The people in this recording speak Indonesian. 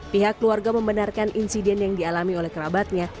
pihak keluarga membenarkan insiden yang dialami oleh kerabatnya